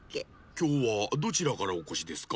きょうはどちらからおこしですか？